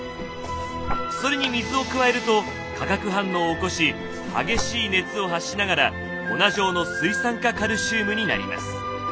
それに水を加えると化学反応を起こし激しい熱を発しながら粉状の水酸化カルシウムになります。